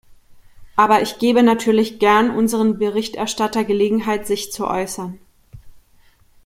Aber ich gebe natürlich gern unserem Berichterstatter Gelegenheit, sich zu äußern.